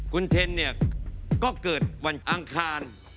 คุณเทนเนี่ยก็เกิดวันอังคาร